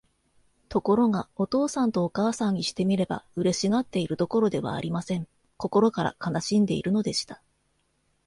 ところが、お父さんとお母さんにしてみれば、嬉しがっているどころではありません。心から悲しんでいるのでした。